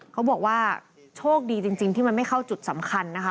เขาบอกว่าโชคดีจริงที่มันไม่เข้าจุดสำคัญนะคะ